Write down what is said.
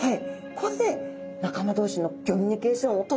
これで仲間同士のギョミュニケーションをとってるんですね。